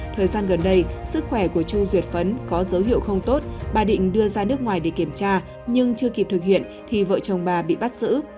thời gian gần đây sức khỏe của chu duyệt phấn có dấu hiệu không tốt bà định đưa ra nước ngoài để kiểm tra nhưng chưa kịp thực hiện thì vợ chồng bà bị bắt giữ